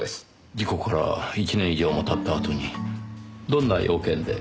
事故から１年以上も経ったあとにどんな用件で？